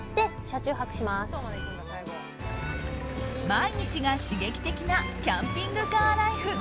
毎日が刺激的なキャンピングカーライフ。